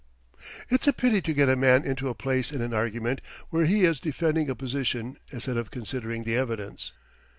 It's a pity to get a man into a place in an argument where he is defending a position instead of considering the evidence.